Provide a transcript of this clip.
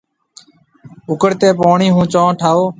اُڪڙتي پوڻِي هون چونه ٺاهو۔